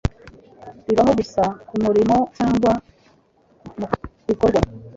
Bibaho gusa kumurimo cyangwa mubikorwa